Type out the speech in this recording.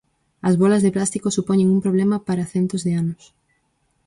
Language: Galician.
As bólas de plástico supoñen un problema para centos de anos.